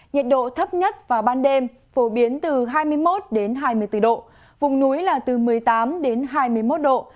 nhiệt độ thấp nhất vào ban đêm phổ biến từ hai mươi một đến hai mươi bốn độ vùng núi là từ một mươi tám đến hai mươi một độ